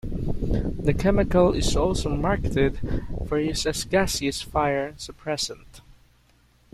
The chemical is also marketed for use as a gaseous fire suppressant.